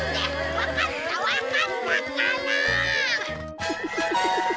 わかったわかったから。